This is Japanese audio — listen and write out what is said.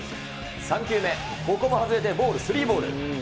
３球目、ここも外れてボール、スリーボール。